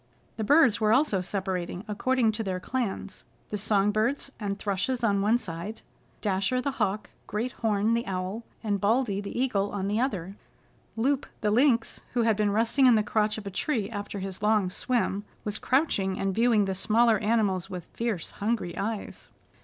The birds were also separating according to their clans the song birds and thrushes on one side, and Dasher the Hawk, Great Horn the Owl and Baldy the Eagle on the other. Loup the Lynx, who had been resting in the crotch of a tree after his long swim, was crouching and viewing the smaller animals with fierce, hungry eyes.